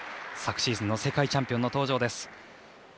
昨シーズンの世界チャンピオンの登場。